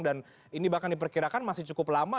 dan ini bahkan diperkirakan masih cukup lama